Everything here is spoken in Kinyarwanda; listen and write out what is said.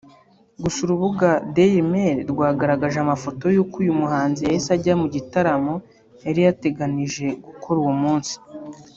Gusa urubuga Dailymail rwagaragaje amafoto y’uko uyu muhanzi yahise ajya mu gitaramo yari yateganije gukora uwo munsi